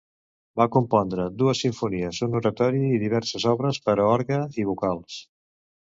Va compondre dues simfonies, un Oratori i diverses obres per a orgue i vocals.